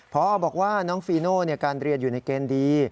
พอบอกว่าน้องฟีโน่การเรียนอยู่ในเกณฑ์ดี